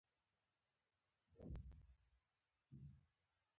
که په پوهه کې دانا د زمانې وي